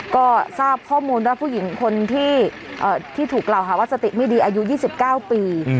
ก็ทราบข้อมูลว่าผู้หญิงคนที่ถูกกล่าวหาว่าสติไม่ดีอายุ๒๙ปี